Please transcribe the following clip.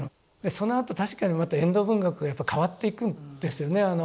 そのあと確かにまた遠藤文学がやっぱり変わっていくんですよね。